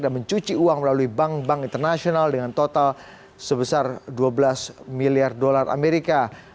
dan mencuci uang melalui bank bank internasional dengan total sebesar dua belas miliar dolar amerika